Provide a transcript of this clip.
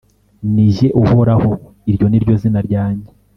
Ni jye, Uhoraho, iryo ni ryo zina ryanjye,